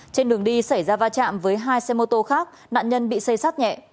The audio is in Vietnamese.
trên đường đi xảy ra va chạm với hai xe mô tô khác nạn nhân bị xây sát nhẹ